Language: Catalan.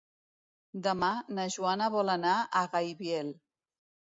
Demà na Joana vol anar a Gaibiel.